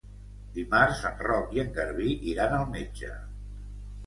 Dimarts en Roc i en Garbí iran al metge.